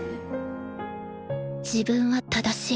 自分は正しい。